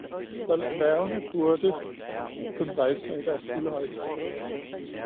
Selv dværgene burde kunne rejse sig i deres fulde højde.